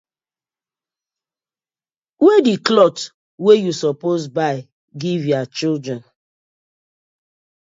Wey di clothe wey yu suppose buy giv yah children?